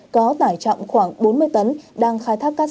có tải trọng khoảng bốn mươi tấn đang khai thác cát